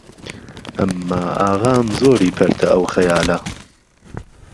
ئهمما ئاغام زۆری پەرته ئهو خهیاله